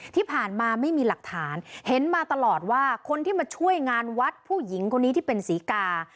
ที่ผ่านมาไม่มีหลักฐานเห็นมาตลอดว่าคนที่มาช่วยงานวัดผู้หญิงคนนี้ที่เป็นศรีกา